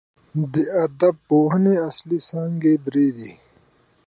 د ادبپوهني اصلي څانګي درې دي.